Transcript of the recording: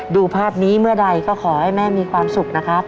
ดูภาพนี้เมื่อใดก็ขอให้แม่มีความสุขนะครับ